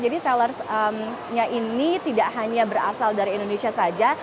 jadi sellersnya ini tidak hanya berasal dari indonesia saja